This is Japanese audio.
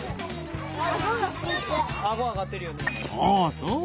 そうそう。